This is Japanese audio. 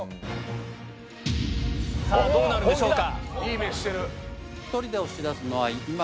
さぁどうなるんでしょうか。